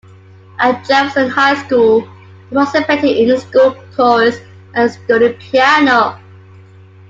At Jefferson High School, he participated in the school chorus and studied piano.